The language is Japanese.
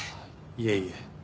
いえいえ。